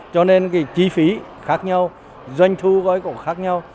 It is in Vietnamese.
cho nên chi phí khác nhau doanh thu cũng khác nhau